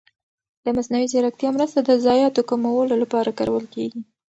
د مصنوعي ځېرکتیا مرسته د ضایعاتو کمولو لپاره کارول کېږي.